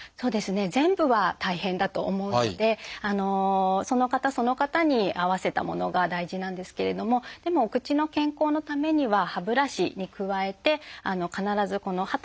全部は大変だと思うのでその方その方に合わせたものが大事なんですけれどもでもお口の健康のためには歯ブラシに加えて必ず歯と歯の間をお掃除する道具ですね